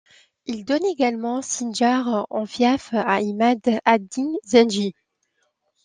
Il donne également Sindjar en fief à Imad ad-Din Zengi.